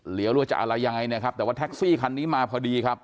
หรือว่าจะอะไรยังไงนะครับแต่ว่าแท็กซี่คันนี้มาพอดีครับ